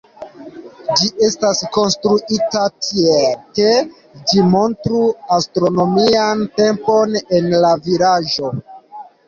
Ĝi estas konstruita tiel, ke ĝi montru astronomian tempon en la vilaĝo.